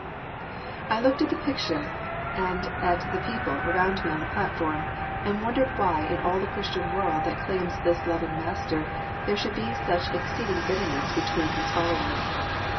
I looked at the picture and at the people around me on the platform, and wondered why in all the Christian world that claims this loving Master there should be such exceeding bitterness between His followers.